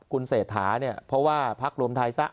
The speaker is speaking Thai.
คุณเศรษฐาเนี่ยเพราะว่าพักรวมไทยซะ